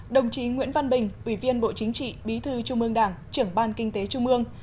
đồng chí nguyễn văn bình ủy viên bộ chính trị bí thư trung ương đảng trưởng ban kinh tế trung ương